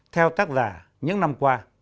theo tác giả những năm qua